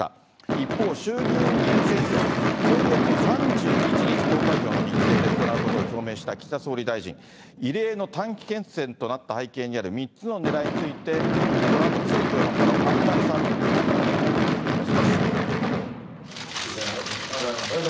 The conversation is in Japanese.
一方、衆議院議員選挙、今月の３１日投開票の日程で行うことを表明した岸田総理大臣、異例の短期決戦となった背景にある３つのねらいについて、このあと政治評論家の有馬さんと共にお届けいたします。